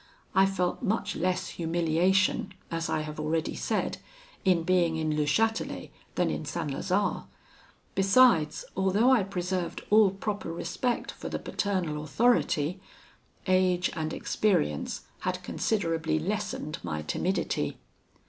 I felt much less humiliation, as I have already said, in being in Le Chatelet than in St. Lazare. Besides, although I preserved all proper respect for the paternal authority, age and experience had considerably lessened my timidity.